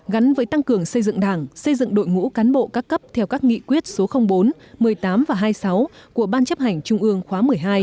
gắn với tăng cường xây dựng đảng xây dựng đội ngũ cán bộ các cấp theo các nghị quyết số bốn một mươi tám và hai mươi sáu của ban chấp hành trung ương khóa một mươi hai